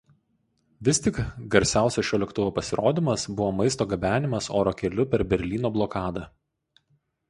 Vis tik garsiausias šio lėktuvo pasirodymas buvo maisto gabenimas oro keliu per Berlyno blokadą.